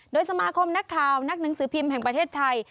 โดยสมาคมนักข่าวนักหนังสือพิมพ์แห่งประเทศไทย